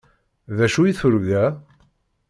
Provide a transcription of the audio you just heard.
D acu i turga?